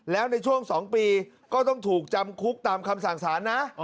แล้วในช่วง๒ปีก็ต้องถูกจำคุกตามคำสั่งสารนะ